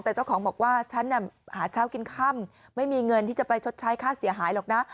แต่เจ้าของบอกว่าฉันหาเช้ากินค่ำไม่มีเงินที่จะไปชดใช้ค่าเสียหายหรอกนะ